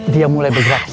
dia mulai bergerak